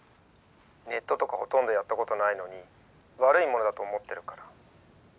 ネットとかほとんどやったことないのに悪いものだと思ってるから。